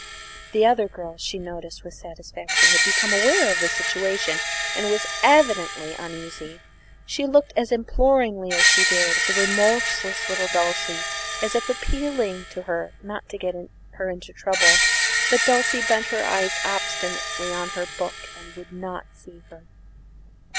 The other girl, she noticed with satisfaction, had become aware of the situation and was evidently uneasy. She looked as imploringly as she dared at remorseless little Dulcie, as if appealing to her not to get her into trouble; but Dulcie bent her eyes obstinately on her book and would not see her.